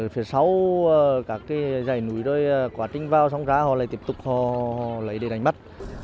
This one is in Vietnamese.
phía sau các dãy núi rồi quá trình vào xong ra họ lại tiếp tục họ lấy để đánh bắt